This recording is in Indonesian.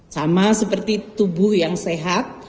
sama seperti tubuh yang sehat